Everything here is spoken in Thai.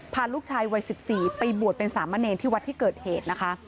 พาลูกชายวัย๑๔ไปบวชเป็นสามเณรที่วัดที่เกิดเหตุนะคะ